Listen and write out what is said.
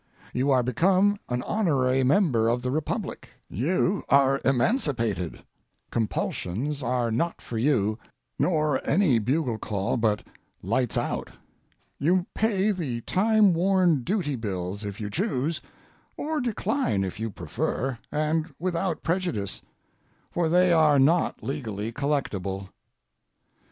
You are become an honorary member of the republic, you are emancipated, compulsions are not for you, nor any bugle call but "lights out." You pay the time worn duty bills if you choose, or decline if you prefer—and without prejudice—for they are not legally collectable.